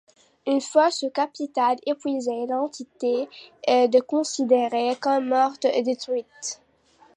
Une fois ce capital épuisé, l'entité est considérée comme morte ou détruite.